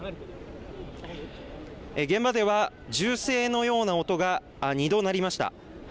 現場では、銃声のような音が２度鳴りました。